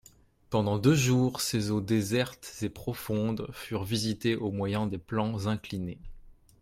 Pendant deux jours, ces eaux désertes et profondes furent visitées au moyen des plans inclinés.